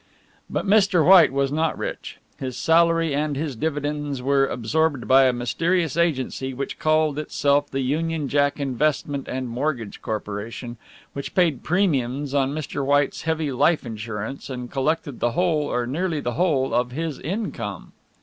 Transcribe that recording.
But Mr. White was not rich. His salary and his dividends were absorbed by a mysterious agency which called itself the Union Jack Investment and Mortgage Corporation, which paid premiums on Mr. White's heavy life insurance and collected the whole or nearly the whole of his income.